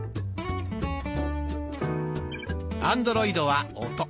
アンドロイドは「音」。